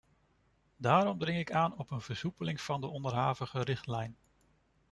Daarom dring ik aan op een versoepeling van de onderhavige richtlijn.